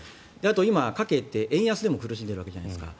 今、家計って円安でも苦しんでいるわけじゃないですか。